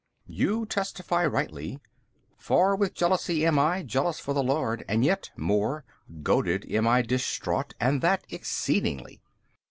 B. You testify rightly, for with jealousy am I jealous for the Lord, and, yet more, goaded am I distraught and that exceedingly.